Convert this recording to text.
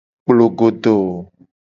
Kplogodo.